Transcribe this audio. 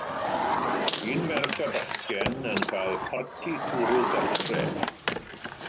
un ferch a bachgen yn cael parti cwrw gartref.